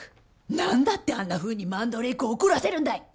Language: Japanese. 何だってあんなふうにマンドレークを怒らせるんだい！